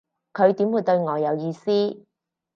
佢點會對我有意思